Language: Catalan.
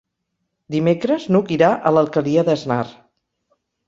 Dimecres n'Hug irà a l'Alqueria d'Asnar.